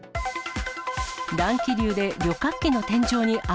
乱気流で旅客機の天井に穴。